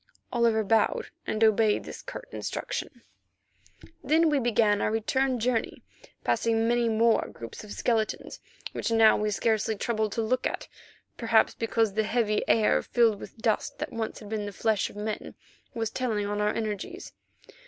Oliver bowed and obeyed this curt instruction. Then we began our return journey, passing many more groups of skeletons which now we scarcely troubled to look at, perhaps because the heavy air filled with dust that once had been the flesh of men, was telling on our energies.